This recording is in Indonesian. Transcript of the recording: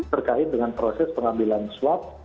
terkait dengan proses pengambilan swab